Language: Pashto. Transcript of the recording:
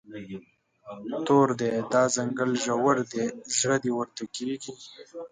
تور دی، دا ځنګل ژور دی، زړه دې ورته کیږي